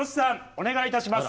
お願いいたします。